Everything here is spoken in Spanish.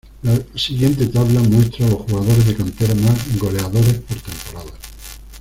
La siguiente tabla muestra los jugadores de cantera más goleadores por temporada.